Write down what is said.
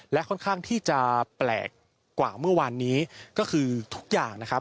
และค่อนข้างที่จะแปลกกว่าเมื่อวานนี้ก็คือทุกอย่างนะครับ